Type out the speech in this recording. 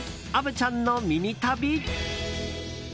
虻ちゃんのミニ旅。